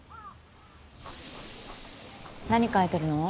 何描いてるの？